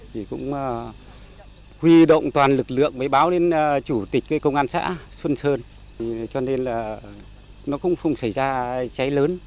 thì cũng huy động toàn lực lượng mới báo đến chủ tịch công an xã xuân sơn cho nên là nó cũng không xảy ra cháy lớn